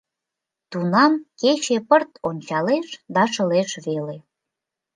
Тунам кече пырт ончалеш да шылеш веле.